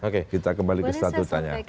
boleh saya sampaikan sesuatu